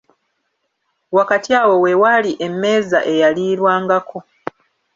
Wakati awo we waali emmeeza eyaliirwangako.